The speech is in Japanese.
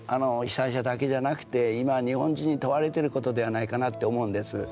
被災者だけじゃなくて今日本人に問われてることではないかなって思うんです。